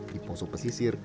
di poso pesisir menuju poso